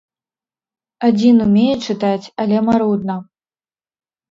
Адзін умее чытаць, але марудна.